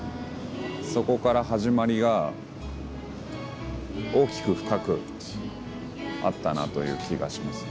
そこから始まりが大きく深くあったなという気がしますね。